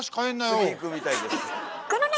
次いくみたいです。